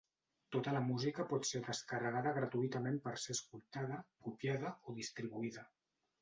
Tota la música pot ser descarregada gratuïtament per ser escoltada, copiada o distribuïda.